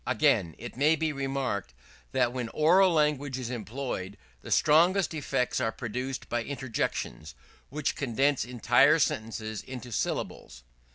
Again, it may be remarked that when oral language is employed, the strongest effects are produced by interjections, which condense entire sentences into syllables.